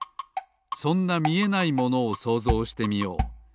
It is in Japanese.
そんなみえないものをそうぞうしてみよう。